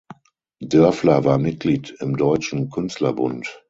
Dörfler war Mitglied im Deutschen Künstlerbund.